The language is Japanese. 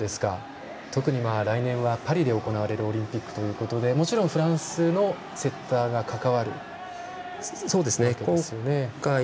特に来年はパリで行われるオリンピックということでもちろんフランスのセッターが関わるということですよね。